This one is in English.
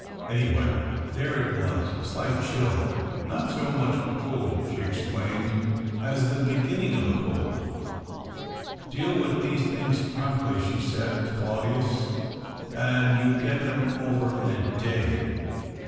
Anyway, there it was — a slight chill — not so much a cold, she explained, as the beginning of a cold. " Deal with these things promptly," she said to Claudius, " and you get them over in a day.